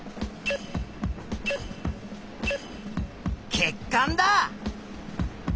血管だ！